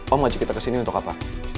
om ngaji kita kesini untuk apa